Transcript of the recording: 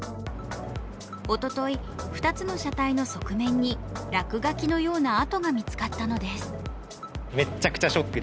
おととい、２つの車体の側面に落書きのような跡が見つかったのです。